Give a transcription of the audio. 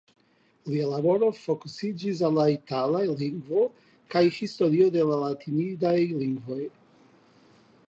Lia laboro fokusiĝis al la itala lingvo kaj historio de la latinidaj lingvoj.